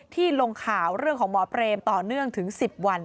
ลงข่าวเรื่องของหมอเปรมต่อเนื่องถึง๑๐วัน